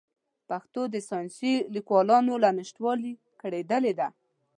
پښتو د ساینسي لیکوالانو له نشتوالي کړېدلې ده.